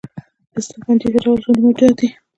استاده فنجي څه ډول ژوندي موجودات دي